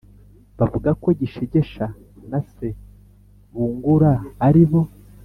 bavuga ko gishegesha na se bungura ari bo